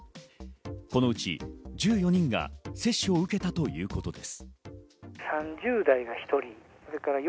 このうち１４人が接種を受けたということです。